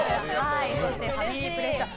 そしてファミリープレッシャー。